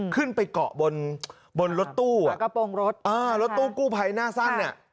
ขึ้นไปเกาะบนบนรถตู้อ่ะกระโปรงรถอ่ารถตู้กู้ภัยหน้าสั้นเนี่ย